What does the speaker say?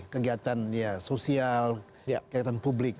kegiatan ya sosial kegiatan publik